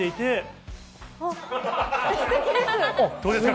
どうですか？